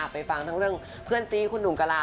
ไปฟังทั้งเรื่องเพื่อนซีคุณหนุ่มกะลา